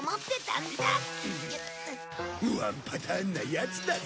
ワンパターンなヤツだぜ。